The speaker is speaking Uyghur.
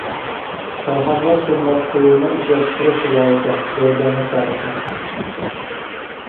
كارخانىلار سېمونت قۇيۇلما ئىشلەپچىقىرىش زاۋۇتى، دورا-دەرمەك زاۋۇتى.